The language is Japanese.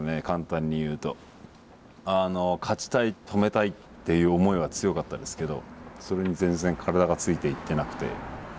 勝ちたい止めたいっていう思いは強かったですけどそれに全然体がついていってなくて。